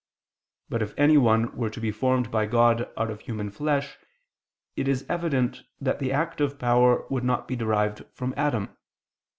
But if anyone were to be formed by God out of human flesh, it is evident that the active power would not be derived from Adam.